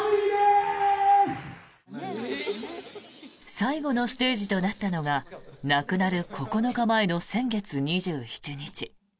最後のステージとなったのが亡くなる９日前の先月２７日。